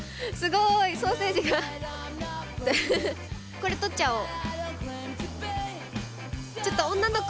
これ撮っちゃおう！